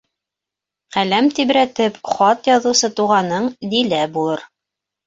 Ҡәләм тибрәтеп хат яҙыусы туғаның Дилә булыр.